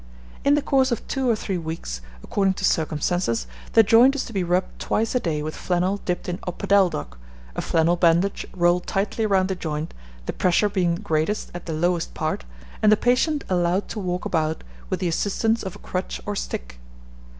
In the course of two or three weeks, according to circumstances, the joint is to be rubbed twice a day with flannel dipped in opodeldoc, a flannel bandage rolled tightly round the joint, the pressure being greatest at the lowest part, and the patient allowed to walk about with the assistance of a crutch or stick.